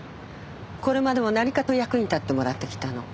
これまでも何かと役に立ってもらってきたの。